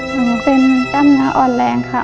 หนูเป็นตั้งงานอ่อนแรงค่ะ